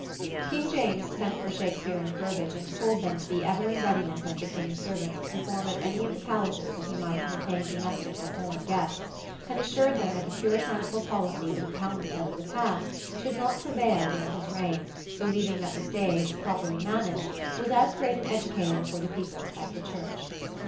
King James sent for Shakspere and Burbage and told them to be ever in readiness as the King's servants to perform at any of the palaces that he might entertain domestic or foreign guests, and assured them that the puritanical policy that had hounded them in the past should not prevail during his reign, believing that the stage, properly managed, was as great an educator for the people as the church.